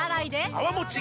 泡もち